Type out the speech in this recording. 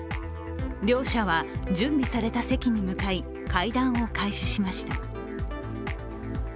両者は準備された席に向かい会談を開始しました。